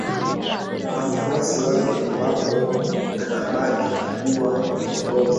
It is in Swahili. na wafuasi wake ambapo anabaki kuwa kiongozi